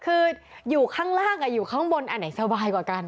คืออยู่ข้างล่างอยู่ข้างบนอันไหนสบายกว่ากัน